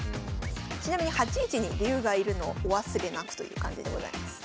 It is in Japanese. ちなみに８一に竜が居るのをお忘れなくという感じでございます。